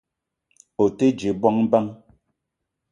O te dje bongo bang ?